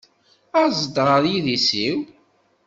Aẓ-d ɣer yidis-iw.